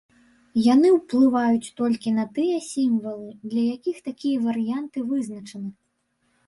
Яны ўплываюць толькі на тыя сімвалы, для якіх такія варыянты вызначаны.